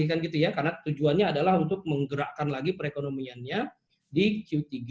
karena tujuannya adalah untuk menggerakkan lagi perekonomiannya di q tiga